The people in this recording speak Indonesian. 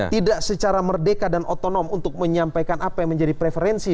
tidak secara merdeka dan otonom untuk menyampaikan apa yang menjadi preferensi